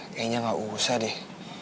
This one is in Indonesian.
kayaknya gak usah deh